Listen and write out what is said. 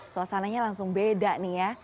suasananya langsung beda nih ya